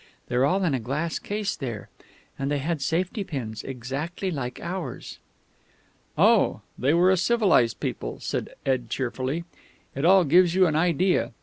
They're all in a glass case there. And they had safety pins, exactly like ours." "Oh, they were a civilised people," said Ed cheerfully. "It all gives you an idea.